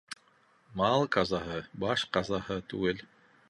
Мал ҡазаһы баш ҡазаһы түгел.